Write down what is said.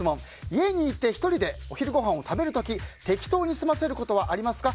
家にいて１人でお昼ご飯を食べる時、適当に済ませることはありますか？